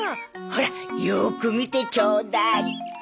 ほらよーく見てちょうだい。